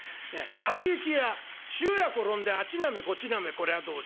『初雪や塩屋転んであっちなめこっちなめこりゃどうじゃ』」。